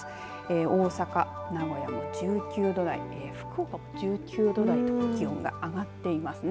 大阪、名古屋も１９度台で福岡も１９度台と気温が上がっていますね。